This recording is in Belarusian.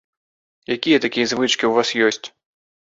Якія такія звычкі ў вас ёсць?